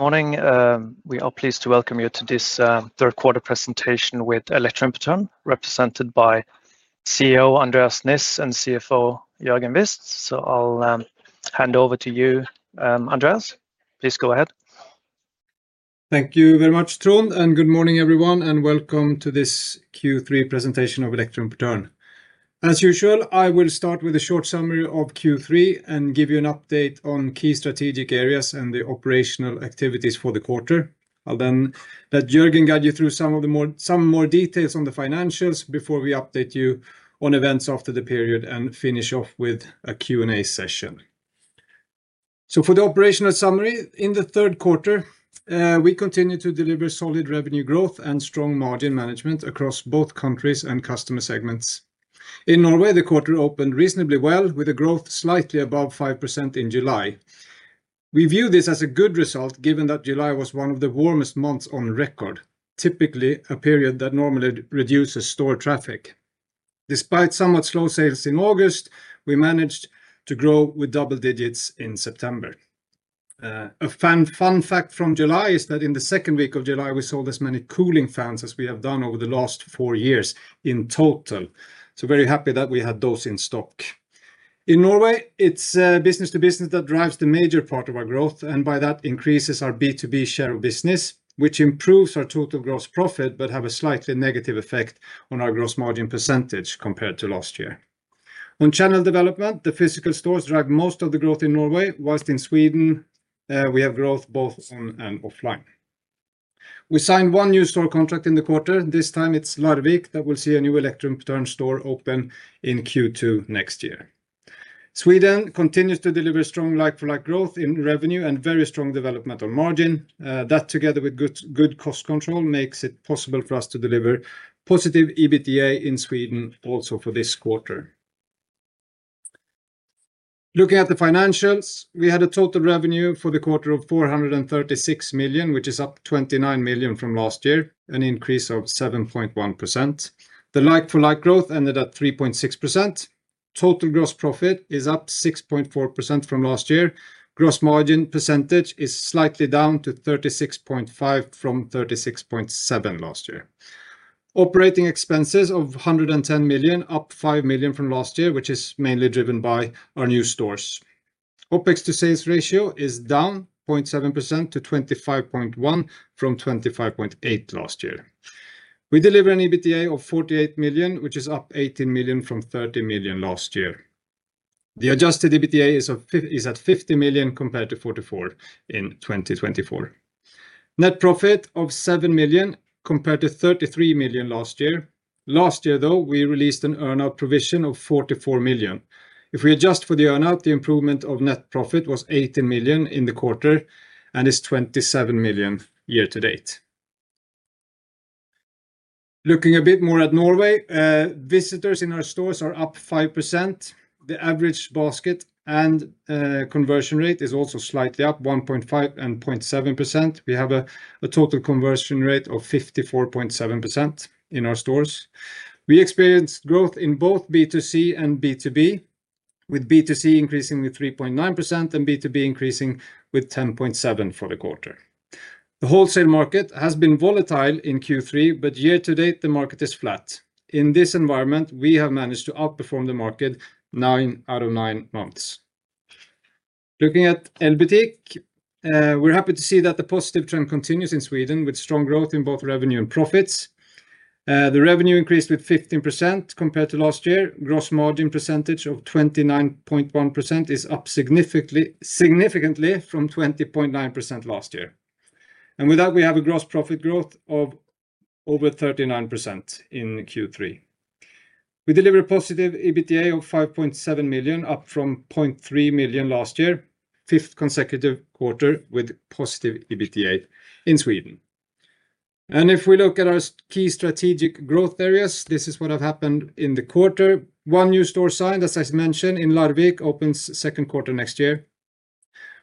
Morning. We are pleased to welcome you to this third-quarter presentation with Elektroimportøren, represented by CEO Andreas Niss and CFO Jørgen Wist. I will hand over to you, Andreas. Please go ahead. Thank you very much, Tron, and good morning, everyone, and welcome to this Q3 presentation of Elektroimportøren. As usual, I will start with a short summary of Q3 and give you an update on key strategic areas and the operational activities for the quarter. I'll then let Jørgen guide you through some more details on the financials before we update you on events after the period and finish off with a Q&A session. For the operational summary, in the third quarter, we continue to deliver solid revenue growth and strong margin management across both countries and customer segments. In Norway, the quarter opened reasonably well, with a growth slightly above 5% in July. We view this as a good result, given that July was one of the warmest months on record, typically a period that normally reduces store traffic. Despite somewhat slow sales in August, we managed to grow with double digits in September. A fun fact from July is that in the second week of July, we sold as many cooling fans as we have done over the last four years in total. So very happy that we had those in stock. In Norway, it is Business-to-Business that drives the major part of our growth, and by that increases our B2B share of business, which improves our total gross profit but has a slightly negative effect on our gross margin percentage compared to last year. On channel development, the physical stores drive most of the growth in Norway, whilst in Sweden we have growth both on and offline. We signed one new store contract in the quarter. This time, it is Larvik that will see a new Elektroimportøren store open in Q2 next year. Sweden continues to deliver strong like-for-like growth in revenue and very strong developmental margin. That, together with good cost control, makes it possible for us to deliver positive EBITDA in Sweden also for this quarter. Looking at the financials, we had a total revenue for the quarter of 436 million, which is up 29 million from last year, an increase of 7.1%. The like-for-like growth ended at 3.6%. Total gross profit is up 6.4% from last year. Gross margin percentage is slightly down to 36.5% from 36.7% last year. Operating expenses of 110 million, up 5 million from last year, which is mainly driven by our new stores. OpEx to sales ratio is down 0.7%/25.1% from 25.8% last year. We deliver an EBITDA of 48 million, which is up 18 million from 30 million last year. The adjusted EBITDA is at 50 million compared to 44 million in 2024. Net profit of 7 million compared to 33 million last year. Last year, though, we released an earnout provision of 44 million. If we adjust for the earnout, the improvement of net profit was 18 million in the quarter and is 27 million year-to-date. Looking a bit more at Norway, visitors in our stores are up 5%. The average basket and conversion rate is also slightly up, 1.5% and 0.7%. We have a total conversion rate of 54.7% in our stores. We experienced growth in both B2C and B2B, with B2C increasing with 3.9% and B2B increasing with 10.7% for the quarter. The wholesale market has been volatile in Q3, but year to date, the market is flat. In this environment, we have managed to outperform the market nine out of nine months. Looking at Elbutik, we're happy to see that the positive trend continues in Sweden, with strong growth in both revenue and profits. The revenue increased with 15% compared to last year. Gross margin percentage of 29.1% is up significantly from 20.9% last year. With that, we have a gross profit growth of over 39% in Q3. We deliver a positive EBITDA of 5.7 million, up from 0.3 million last year, fifth consecutive quarter with positive EBITDA in Sweden. If we look at our key strategic growth areas, this is what has happened in the quarter. One new store signed, as I mentioned, in Larvik, opens second quarter next year.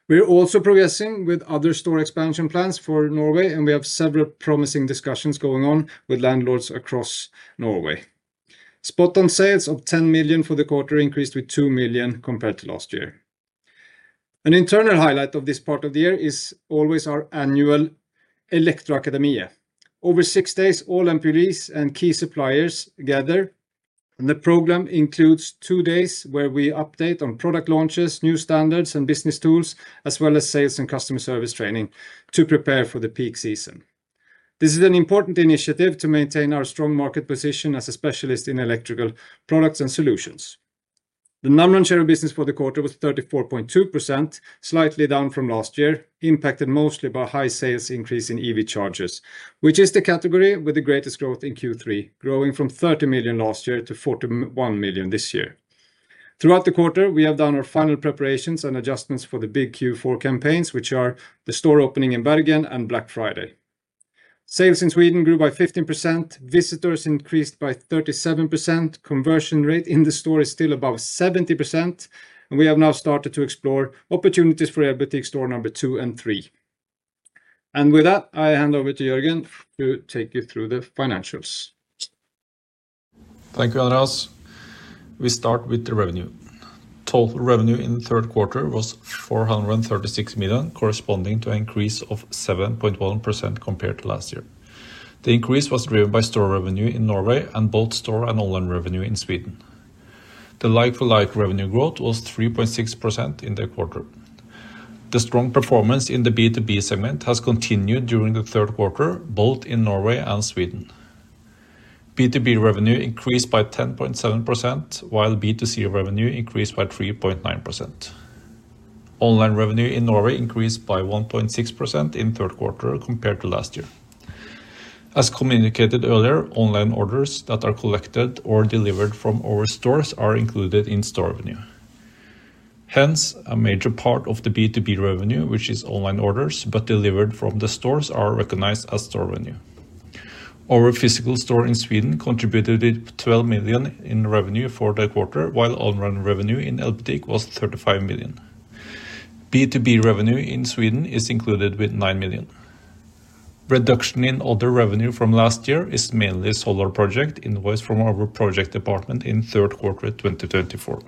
We're also progressing with other store expansion plans for Norway, and we have several promising discussions going on with landlords across Norway. SpotOn sales of 10 million for the quarter increased with 2 million compared to last year. An internal highlight of this part of the year is always our annual Elektroakademiet. Over six days, all employees and key suppliers gather, and the program includes two days where we update on product launches, new standards, and business tools, as well as sales and customer service training to prepare for the peak season. This is an important initiative to maintain our strong market position as a specialist in electrical products and solutions. The number one share of business for the quarter was 34.2%, slightly down from last year, impacted mostly by a high sales increase in EV charges, which is the category with the greatest growth in Q3, growing from 30 million last year to 41 million this year. Throughout the quarter, we have done our final preparations and adjustments for the big Q4 campaigns, which are the store opening in Bergen and Black Friday. Sales in Sweden grew by 15%, visitors increased by 37%, conversion rate in the store is still above 70%, and we have now started to explore opportunities for Elbutik store number two and three. With that, I hand over to Jørgen to take you through the financials. Thank you, Andreas. We start with the revenue. Total revenue in the third quarter was 436 million, corresponding to an increase of 7.1% compared to last year. The increase was driven by store revenue in Norway and both store and online revenue in Sweden. The like-for-like revenue growth was 3.6% in the quarter. The strong performance in the B2B segment has continued during the third quarter, both in Norway and Sweden. B2B revenue increased by 10.7%, while B2C revenue increased by 3.9%. Online revenue in Norway increased by 1.6% in the third quarter compared to last year. As communicated earlier, online orders that are collected or delivered from our stores are included in store revenue. Hence, a major part of the B2B revenue, which is online orders but delivered from the stores, are recognized as store revenue. Our physical store in Sweden contributed 12 million in revenue for the quarter, while online revenue in Elbutik was 35 million. B2B revenue in Sweden is included with 9 million. Reduction in other revenue from last year is mainly solar project invoice from our project department in the third quarter 2024.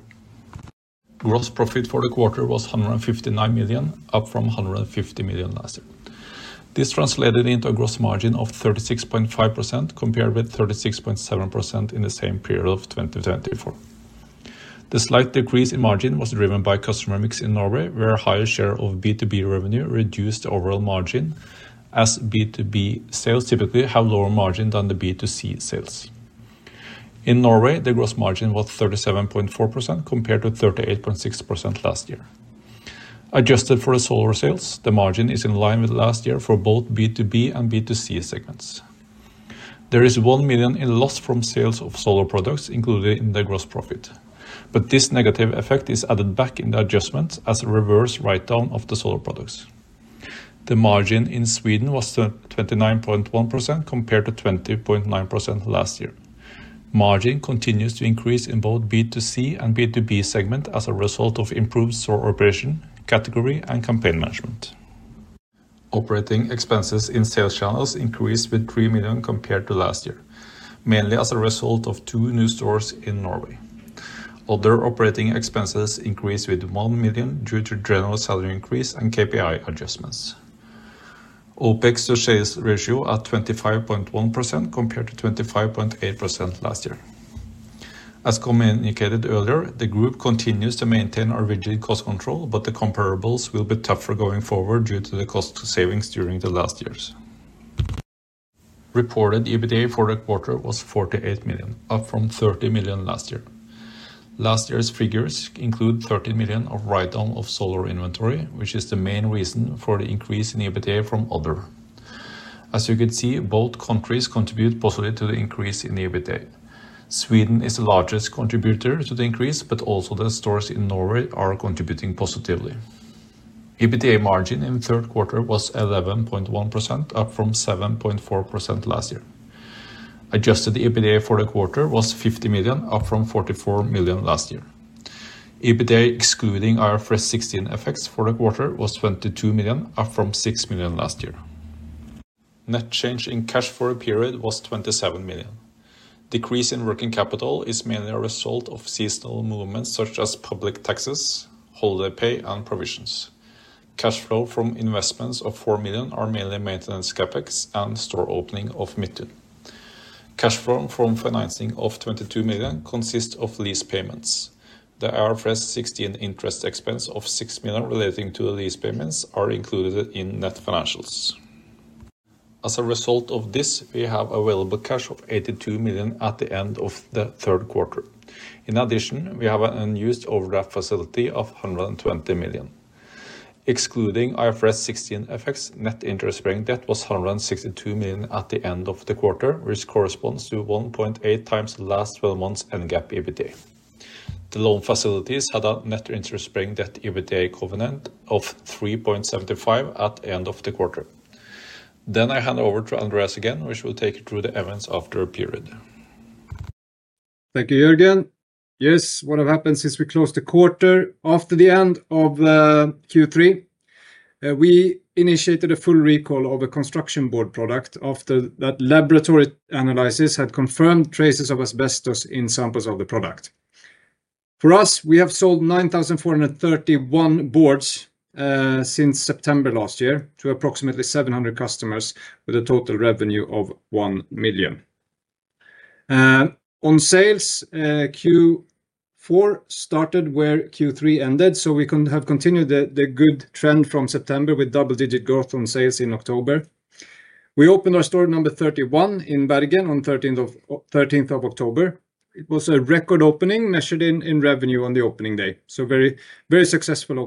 Gross profit for the quarter was 159 million, up from 150 million last year. This translated into a gross margin of 36.5% compared with 36.7% in the same period of 2024. The slight decrease in margin was driven by customer mix in Norway, where a higher share of B2B revenue reduced the overall margin, as B2B sales typically have lower margin than the B2C sales. In Norway, the gross margin was 37.4% compared to 38.6% last year. Adjusted for the solar sales, the margin is in line with last year for both B2B and B2C segments. There is 1 million in loss from sales of solar products included in the gross profit, but this negative effect is added back in the adjustment as a reverse write-down of the solar products. The margin in Sweden was 29.1% compared to 20.9% last year. Margin continues to increase in both B2C and B2B segment as a result of improved store operation, category, and campaign management. Operating expenses in sales channels increased with 3 million compared to last year, mainly as a result of two new stores in Norway. Other operating expenses increased with 1 million due to general salary increase and KPI adjustments. OpEx to sales ratio at 25.1% compared to 25.8% last year. As communicated earlier, the group continues to maintain our rigid cost control, but the comparables will be tougher going forward due to the cost savings during the last years. Reported EBITDA for the quarter was 48 million, up from 30 million last year. Last year's figures include 30 million of write-down of solar inventory, which is the main reason for the increase in EBITDA from other. As you could see, both countries contribute positively to the increase in EBITDA. Sweden is the largest contributor to the increase, but also the stores in Norway are contributing positively. EBITDA margin in the third quarter was 11.1%, up from 7.4% last year. Adjusted EBITDA for the quarter was 50 million, up from 44 million last year. EBITDA excluding IFRS 16 FX for the quarter was 22 million, up from 6 million last year. Net change in cash for a period was 27 million. Decrease in working capital is mainly a result of seasonal movements such as public taxes, holiday pay, and provisions. Cash flow from investments of 4 million are mainly maintenance CapEx and store opening of Midtun. Cash flow from financing of 22 million consists of lease payments. The IFRS 16 interest expense of 6 million relating to the lease payments is included in net financials. As a result of this, we have available cash of 82 million at the end of the third quarter. In addition, we have an unused overdraft facility of 120 million. Excluding IFRS 16 FX, net interest-bearing debt was 162 million at the end of the quarter, which corresponds to 1.8 times the last 12 months' NGAAP EBITDA. The loan facilities had a net interest-bearing debt EBITDA covenant of 3.75 at the end of the quarter. I hand over to Andreas again, which will take you through the events after the period. Thank you, Jørgen. Yes, what have happened since we closed the quarter after the end of Q3? We initiated a full recall of a construction board product after that laboratory analysis had confirmed traces of asbestos in samples of the product. For us, we have sold 9,431 boards since September last year to approximately 700 customers with a total revenue of 1 million. On sales, Q4 started where Q3 ended, so we have continued the good trend from September with double-digit growth on sales in October. We opened our store number 31 in Bergen on 13th October. It was a record opening measured in revenue on the opening day, so a very successful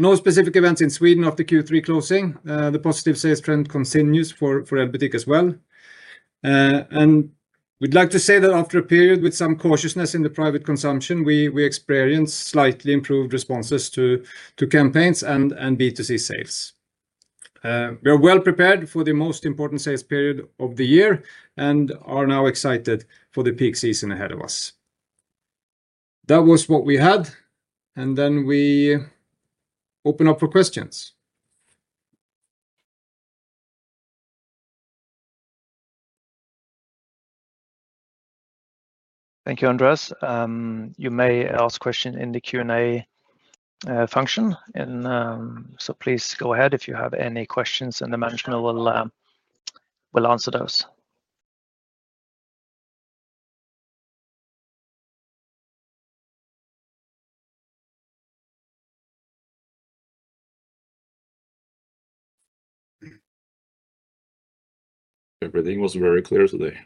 opening. No specific events in Sweden after Q3 closing. The positive sales trend continues for Elbutik as well. We'd like to say that after a period with some cautiousness in the private consumption, we experience slightly improved responses to campaigns and B2C sales. We are well prepared for the most important sales period of the year and are now excited for the peak season ahead of us. That was what we had, and then we open up for questions. Thank you, Andreas. You may ask questions in the Q&A function. Please go ahead if you have any questions, and the management will answer those. Everything was very clear today.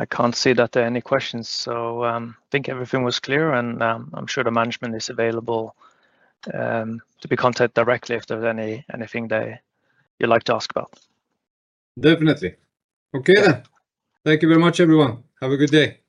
I can't see that there are any questions, so I think everything was clear, and I'm sure the management is available to be contacted directly if there's anything you'd like to ask about. Definitely. Okay, then. Thank you very much, everyone. Have a good day. Thank you.